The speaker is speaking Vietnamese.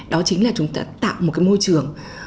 đó chính là chúng ta tạo một cái môi trường